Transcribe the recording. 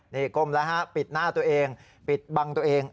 นี่ก้มแล้วฮะปิดหน้าตัวเองปิดบังตัวเอง